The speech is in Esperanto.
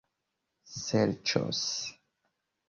serĉos